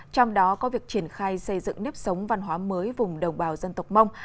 trong đó có việc triển khai xây dựng nếp sống văn hóa mới vùng đồng bào dân tộc mông